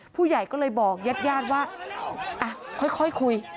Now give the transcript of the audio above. ผู้ใหญ่ก็เลยบอกญาติญาติว่าค่อยคุย